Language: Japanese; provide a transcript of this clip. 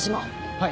はい。